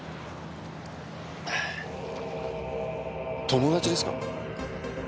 友達ですか？